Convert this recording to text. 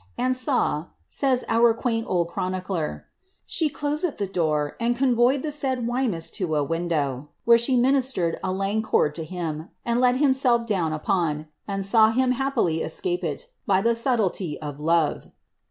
''An sa," savsour quaint old chronicler, " she closil the door, and convoyed the said Wemys to a window, where she ministered a lang cord to him, to let himsell" down upon, and sa he happilie escapil by the subilelie of luve."